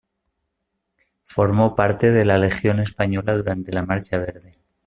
Formó parte de la Legión Española durante la marcha verde.